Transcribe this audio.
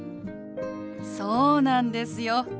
そうなんですよ。